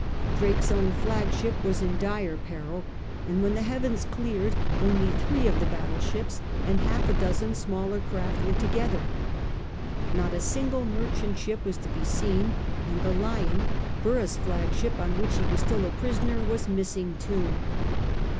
Drake's own flagship was in dire peril, and when the heavens cleared only three of the battle ships and half a dozen smaller craft were together. Not a single merchant ship was to be seen, and the Lum^ Borough's flagship, on which he was still a prisoner, was missing too.